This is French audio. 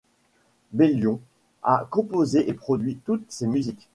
Bellion a composé et produit toutes ses musiques.